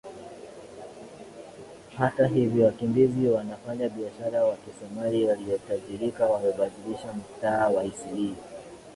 Hata hivyo wakimbizi wafanyabiashara wa Kisomali waliotajirika wamebadilisha mtaa wa Eastleigh